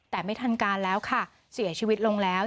แต่ไม่ทันการแล้วค่ะเสียชีวิตลงแล้ว